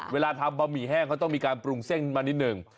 เวลาทำบะหมี่แห้งเขาต้องมีการปรุงเส้นมานิดหนึ่ง